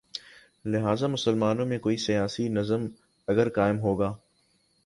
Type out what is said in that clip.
لہذا مسلمانوں میں کوئی سیاسی نظم اگر قائم ہو گا۔